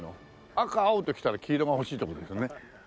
赤青ときたら黄色が欲しいとこですよね。